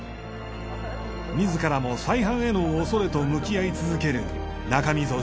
自らも再犯への恐れと向き合い続ける中溝社長。